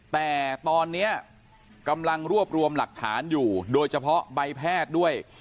แต่ตอนนี้กำลังรวบรวมหลักฐานอยู่โดยเฉพาะใบแพทย์ด้วย